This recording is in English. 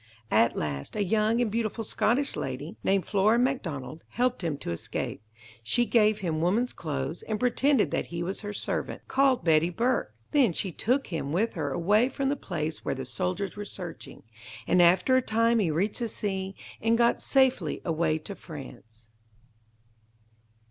At last, a young and beautiful Scottish lady, named Flora MacDonald, helped him to escape. She gave him woman's clothes, and pretended that he was her servant, called Betty Burke. Then she took him with her away from the place where the soldiers were searching, and after a time he reached the sea, and got safely away to France.